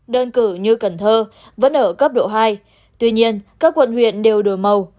đơn cử như cần thơ vẫn ở cấp độ hai tuy nhiên các quận huyện đều đổi màu